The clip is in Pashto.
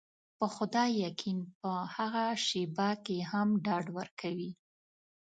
په خدای يقين په هغه شېبه کې هم ډاډ ورکوي.